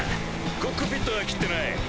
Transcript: コックピットは斬ってない。